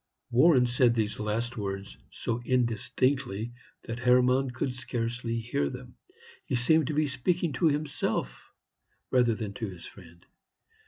Warren said these last words so indistinctly that Hermann could scarcely hear them; he seemed to be speaking to himself rather than to his friend.